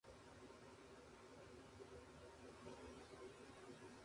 زده کوونکي اوس خپل کتابونه لولي.